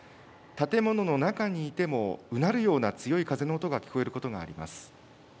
建物の中にいても、うなるような強い風の音が聞こえることがあります。